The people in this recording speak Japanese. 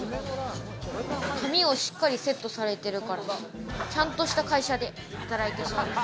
髪をしっかりセットされてる方、ちゃんとした会社で働いてそうです。